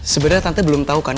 sebenernya tante belum tau kan